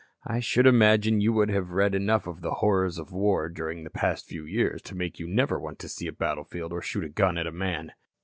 "I should imagine you would have read enough of the horrors of war during the past few years to make you never want to see a battlefield or shoot a gun at a man."